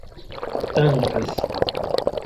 dankas